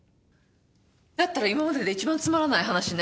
だったら今まで一番つまらない話ね。